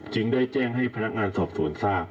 จึงได้แจ้งให้พนักงานสอบสวนทราบ